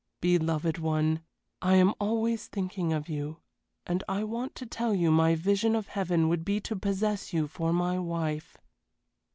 Beloved one, I am always thinking of you, and I want to tell you my vision of heaven would be to possess you for my wife.